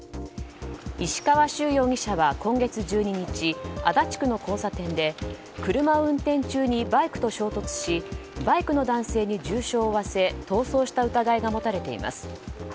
石川周容疑者は今月１２日足立区の交差点で車を運転中にバイクと衝突しバイクの男性に重傷を負わせ逃走した疑いが持たれています。